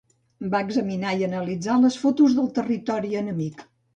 Va examinar i analitzar les fotos del territori enemic.